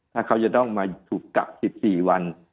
ถ้าเขาจะต้องมาถูกจับ๑๔วัน